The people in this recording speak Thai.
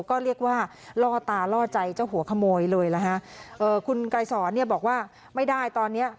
ก็เรียกว่าล่อตาล่อใจเจ้าหัวขโมยเลยนะฮะเอ่อคุณไกรสอนเนี่ยบอกว่าไม่ได้ตอนเนี้ย